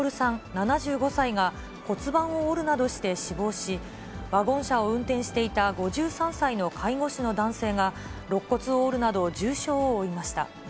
７５歳が、骨盤を折るなどして死亡し、ワゴン車を運転していた５３歳の介護士の男性が、ろっ骨を折るなど重傷を負いました。